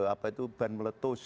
apa itu ban meletus